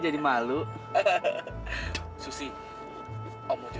woi tau itu